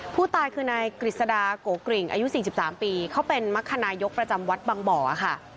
ผู้ตายคือนายกฤษดาโกกริ่งอายุ๔๓ปีเขาเป็นมรรคนายกประจำวัดบางบ่อค่ะ